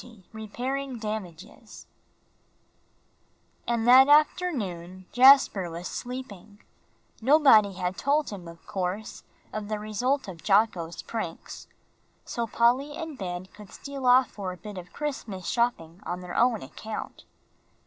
XX REPAIRING DAMAGES And that afternoon Jasper was sleeping (nobody had told him, of course, of the result of Jocko's pranks), so Polly and Ben could steal off for a bit of Christmas shopping on their own account.